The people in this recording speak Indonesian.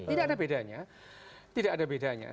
tidak ada bedanya tidak ada bedanya